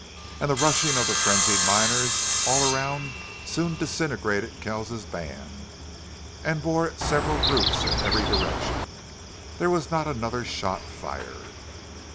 And the rushing of the frenzied miners all around soon disintegrated Kells's band and bore its several groups in every direction. There was not another shot fired.